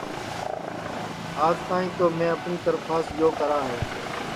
آج تک تو میں اپٹؔی ترپھاس یو کرا ہے